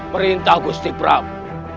perintah gusti prabu